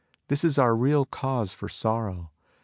This is our real cause for sorrow.